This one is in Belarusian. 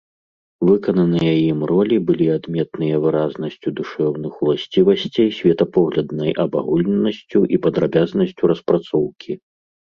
Выкананыя ім ролі былі адметныя выразнасцю душэўных уласцівасцей, светапогляднай абагульненасцю і падрабязнасцю распрацоўкі.